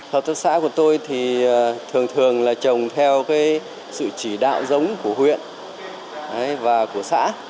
hợp tác xã của tôi thì thường thường là trồng theo sự chỉ đạo giống của huyện và của xã